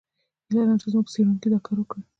هیله لرم چې زموږ څېړونکي دا کار وکړي.